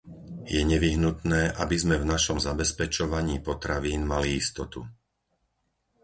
Je nevyhnutné, aby sme v našom zabezpečovaní potravín mali istotu.